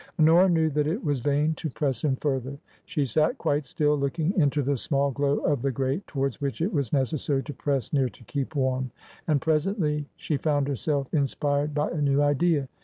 Honora knew that it was vain to press him further. She sat quite still, looking into the small glow of the grate towards which it was necessary to press near to keep warm. And presently she found herself inspired by a new idea.